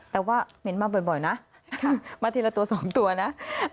แต่ว่าเหม็นมาบ่อยนะมาทีละตัว๒ตัวนะ